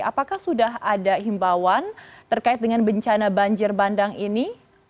apakah sudah ada himbauan terkait dengan bencana banjir bandang ini